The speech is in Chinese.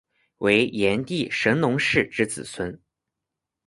为炎帝神农氏之子孙。